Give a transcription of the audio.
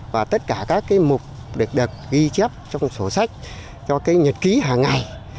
và tất cả các mục đẹp đẹp ghi chép trong sổ sách cho nhật ký hàng ngày